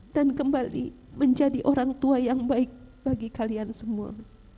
kembali menjadi orang tua yang baik bagi kalian semua